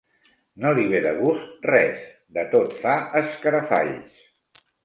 No li ve de gust res: de tot fa escarafalls.